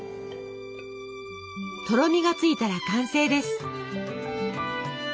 とろみがついたら完成です。